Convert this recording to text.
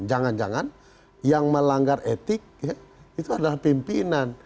jangan jangan yang melanggar etik itu adalah pimpinan